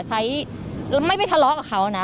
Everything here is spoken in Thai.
ใช้แล้วไม่ไปทะเลาะกับเขานะ